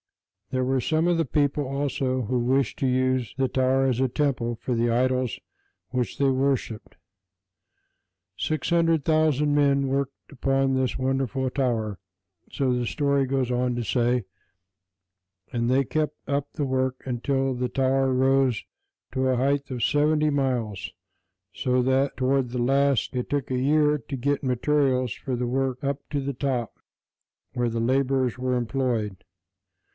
There were some of the people also who wished to use the tower as a temple for the idols which they worshiped. Six hundred thousand men worked upon this wonderful tower, so the story goes on to say, and they kept up the work until the tower rose to a height of seventy miles, so that, toward the last, it took a year to get materials for the work up to the top where the laborers were employed.